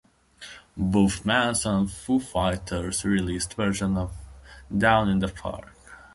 Both Manson and Foo Fighters released versions of "Down in the Park".